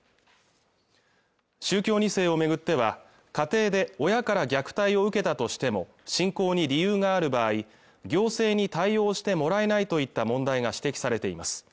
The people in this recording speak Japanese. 宗教２世をめぐっては家庭で親から虐待を受けたとしても信仰に理由がある場合行政に対応してもらえないといった問題が指摘されています